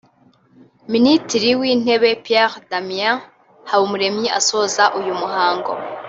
Minitiri w’Intebe Pierre Damien Habumuremyi asoza uyu muhango